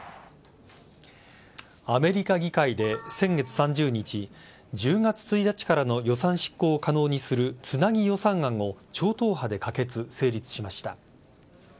アメリカ議会で先月３０日１０月１日からの予算執行を可能にする、つなぎ予算案を超党派で可決・成立しました。